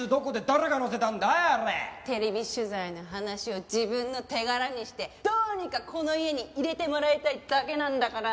テレビ取材の話を自分の手柄にしてどうにかこの家に入れてもらいたいだけなんだから。